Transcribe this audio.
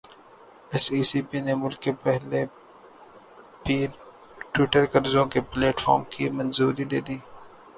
S E C P نے ملک کے پہلے پیر ٹو پیر قرضوں کے پلیٹ فارم کی منظوری دے دی